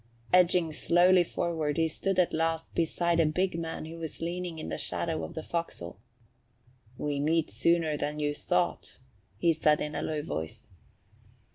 Edging slowly forward, he stood at last beside a big man who was leaning in the shadow of the forecastle. "We meet sooner than you thought," he said in a low voice.